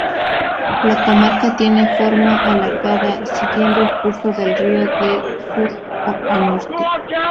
La comarca tiene forma alargada, siguiendo el curso del río, de sur a norte.